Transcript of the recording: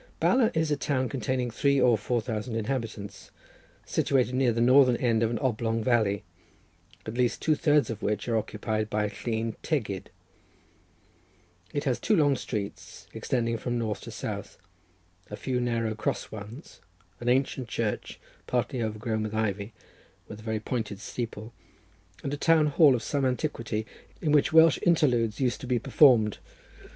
Bala is a town containing three or four thousand inhabitants, situated near the northern end of an oblong valley, at least two thirds of which are occupied by Llyn Tegid. It has two long streets, extending from north to south, a few narrow cross ones, an ancient church, partly overgrown with ivy, with a very pointed steeple, and a town hall of some antiquity, in which Welsh interludes used to be performed.